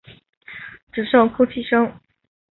只剩哭泣声